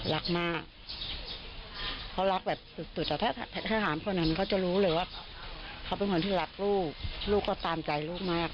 รักมากเขารักแบบสุดแต่ถ้าถามคนนั้นเขาจะรู้เลยว่าเขาเป็นคนที่รักลูกลูกก็ตามใจลูกมาก